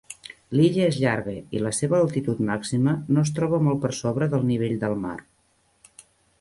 La illa és llarga i la seva altitud màxima no es troba molt per sobre del nivell del mar.